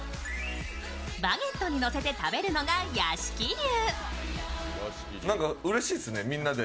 バゲットにのせて食べるのが屋敷流。